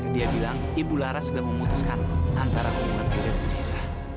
dia bilang ibu bularas sudah memutuskan antara memilihkan cuda dan riza